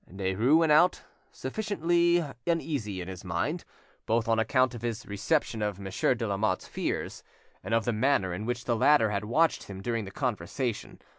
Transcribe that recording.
Derues went out, sufficiently uneasy in his mind, both on account of his reception of Monsieur de Lamotte's fears and of the manner in which the latter had watched him during the conversation.